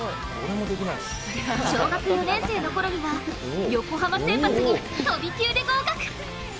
小学４年生のころには横浜選抜に飛び級で合格。